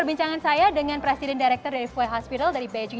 kami juga mencoba mencari strategi untuk mencari penyakit kardio vasku